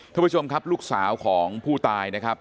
ทุกผู้ชมครับลูกสาวของผู้ตายนะครับ